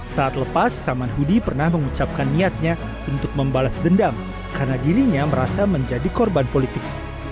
saat lepas saman hudi pernah mengucapkan niatnya untuk membalas dendam karena dirinya merasa menjadi korban politik